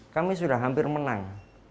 kami sudah hampir menang